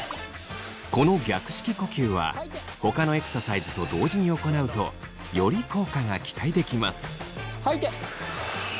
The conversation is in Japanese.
この逆式呼吸はほかのエクササイズと同時に行うとより効果が期待できます。